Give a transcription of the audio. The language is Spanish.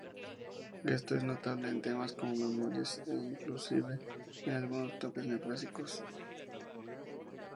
Esto es notable en temas como ""Memories"" e inclusive en algunos toques neoclásicos.